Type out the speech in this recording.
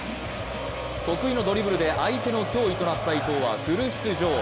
得意のドリブルで相手の脅威となった伊東はフル出場。